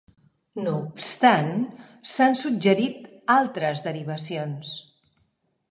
No obstant, s'han suggerit altres derivacions.